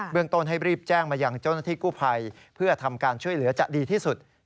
เรื่องต้นให้รีบแจ้งมายังเจ้าหน้าที่กู้ภัยเพื่อทำการช่วยเหลือจะดีที่สุด